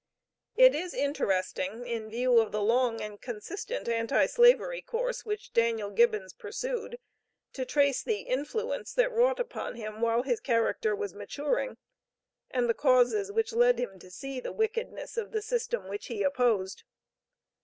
It is interesting, in view of the long and consistent anti slavery course which Daniel Gibbons pursued, to trace the influence that wrought upon him while his character was maturing, and the causes which led him to see the wickedness of the system which he opposed.